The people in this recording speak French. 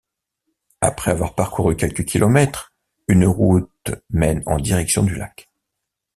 Après avoir parcouru quelques kilomètres, une route mène en direction du lac.